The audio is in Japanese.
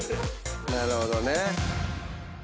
なるほどね。